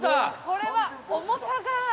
これは重さが。